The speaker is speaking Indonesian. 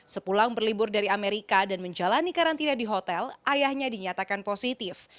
sepulang berlibur dari amerika dan menjalani karantina di hotel ayahnya dinyatakan positif